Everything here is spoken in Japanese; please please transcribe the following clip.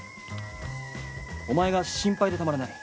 お前が心配でたまらない。